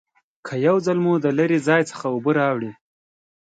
که یو ځل مو د لرې ځای څخه اوبه راوړي